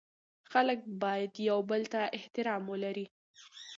خلګ باید یوبل ته احترام ولري